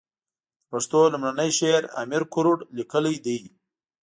د پښتو لومړنی شعر امير کروړ ليکلی ده.